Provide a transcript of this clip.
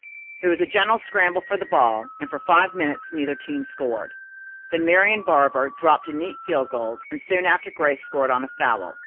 There was a general scramble for the ball, and for five minutes neither team scored; then Marian Barber dropped a neat field goal, and soon after Grace scored on a foul.